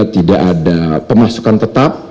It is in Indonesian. tidak ada pemasukan tetap